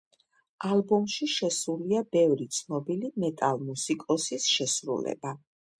ალბომში შესულია ბევრი ცნობილი მეტალ მუსიკოსის შესრულება.